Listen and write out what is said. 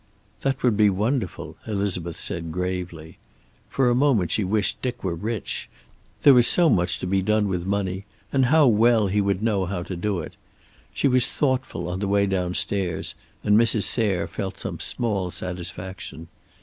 "That would be wonderful," Elizabeth said gravely. For a moment she wished Dick were rich. There was so much to be done with money, and how well he would know how to do it. She was thoughtful on the way downstairs, and Mrs. Sayre felt some small satisfaction.